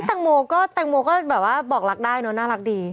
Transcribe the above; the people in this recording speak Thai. แตงโมก็แตงโมก็แบบว่าบอกรักได้เนอะน่ารักดี